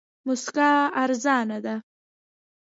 موسکا ارزانه ده.